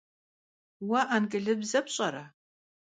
Vue angılıbze pş'ere?